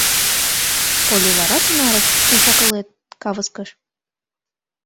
— Коли вара тунарак уш-акылет кавыскыш?